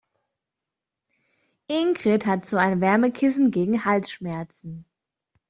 Ingrid hat so ein Wärmekissen gegen Halsschmerzen.